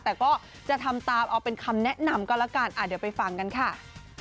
แต่ก็จะทำตามเอาเป็นคำแนะนำก็แล้วกันเดี๋ยวไปฟังกันค่ะ